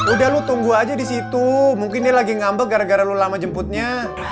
udah lu tunggu aja di situ mungkin dia lagi ngambek gara gara lu lama jemputnya